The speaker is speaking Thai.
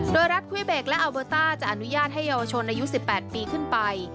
โดยรัฐคุ้ยเบกและอัลเบอร์ต้าจะอนุญาตให้เยาวชนอายุ๑๘ปีขึ้นไป